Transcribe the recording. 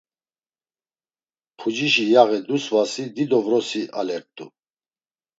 Pucişi yaği dusvasi dido vrosi alert̆u.